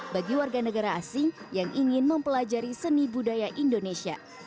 bagi warga negara asing yang ingin mempelajari seni budaya indonesia